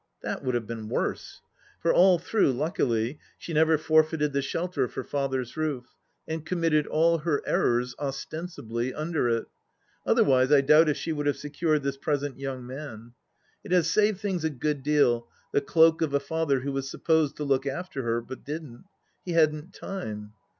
That would have been worse. For all through, luckily, she never forfeited the shelter of her father's roof, and committed all her errors, ostensibly, under it. ... Other wise I doubt if she would have secured this present young man. It has saved things a good deal, the cloak of a father who was supposed to look after her — ^but didn't. He hadn't time.